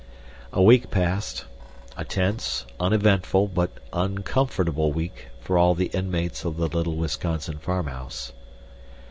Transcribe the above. A week passed; a tense, uneventful, but uncomfortable week for all the inmates of the little Wisconsin farmhouse.